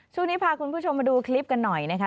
ช่วงนี้พาคุณผู้ชมมาดูคลิปกันหน่อยนะคะ